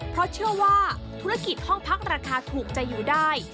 เพราะเชื่อว่าธุรกิจห้องพักราคาถูกจะอยู่ได้